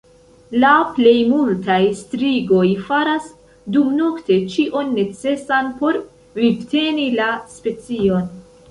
La plej multaj strigoj faras dumnokte ĉion necesan por vivteni la specion.